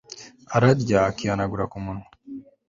ararya, akihanagura ku munwa